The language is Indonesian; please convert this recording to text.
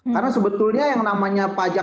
karena sebetulnya yang namanya perpajakan